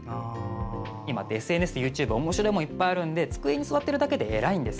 今、ＳＮＳやＹｏｕＴｕｂｅおもしろいものいっぱいある中で机に座っているだけで偉いんです。